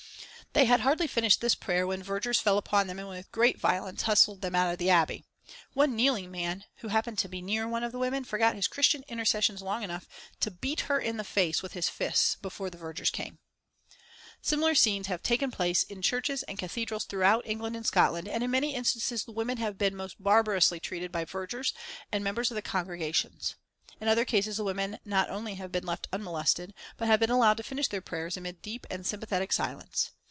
They had hardly finished this prayer when vergers fell upon them and with great violence hustled them out of the Abbey. One kneeling man, who happened to be near one of the women, forgot his Christian intercessions long enough to beat her in the face with his fists before the vergers came. Similar scenes have taken place in churches and cathedrals throughout England and Scotland, and in many instances the women have been most barbarously treated by vergers and members of the congregations. In other cases the women not only have been left unmolested, but have been allowed to finish their prayers amid deep and sympathetic silence.